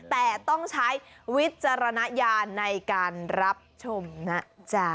แต่ต้องใช้วิจารณญาณในการรับชมนะจ๊ะ